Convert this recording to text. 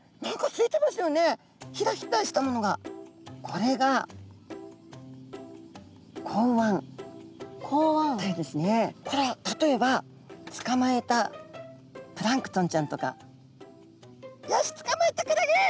これは例えばつかまえたプランクトンちゃんとかよしつかまえたクラゲ。